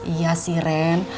iya sih ren